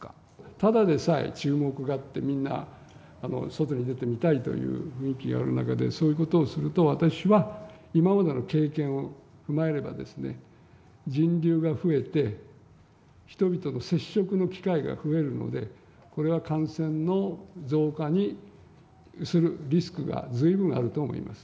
ただでさえ注目があって、みんな、外に出て見たいという雰囲気がある中で、そういうことをすると、私は今までの経験を踏まえれば、人流が増えて、人々の接触の機会が増えるので、これは感染の増加するリスクがずいぶんあると思います。